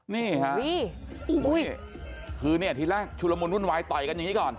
นี่ค่ะคือเนี่ยทีแรกชุลมุนวุ่นวายต่อยกันอย่างนี้ก่อน